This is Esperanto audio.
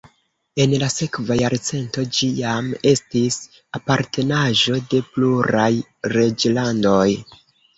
En la sekva jarcento ĝi jam estis apartenaĵo de pluraj reĝlandoj.